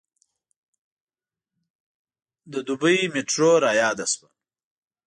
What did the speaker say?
د دبۍ میټرو رایاده شوه.